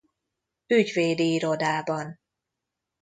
Ügyvédi Irodában.